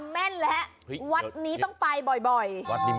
อะมันเบิ้งเท้นโกดิ่ง